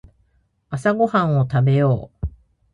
朝ごはんを食べよう。